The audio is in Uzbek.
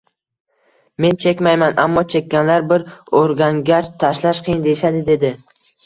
Men chekmayman, ammo chekkanlar bir o'rgangach, tashlash qiyin deyishadi,—dedi.